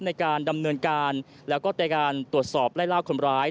ในการดำเนินการแล้วก็ในการตรวจสอบไล่ล่าคนร้าย